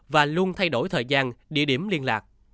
và luôn thay đổi thời gian địa điểm liên lạc